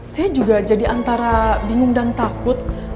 saya juga jadi antara bingung dan takut